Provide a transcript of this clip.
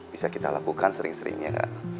bisa kita lakukan sering sering ya kak